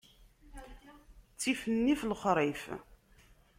Ttif nnif, lexṛif.